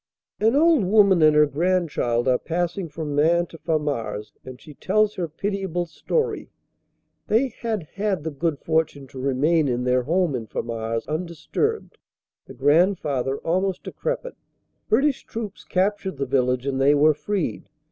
An old woman and her grandchild are passing from Maing to Famars and she tells her pitiable story. They had had the good fortune to remain in their home in Famars undisturbed the grandfather almost decrepit. British troops captured the village and they were freed.